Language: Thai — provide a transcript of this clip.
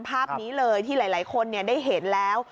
ภาพนี้เลยที่หลายคนได้เห็นแล้ว